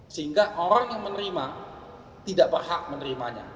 sehingga orang yang menerima tidak berhak menerimanya